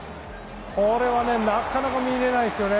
これはね、なかなか見れないですよね。